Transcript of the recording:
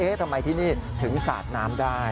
ทำไมที่นี่ถึงสาดน้ำได้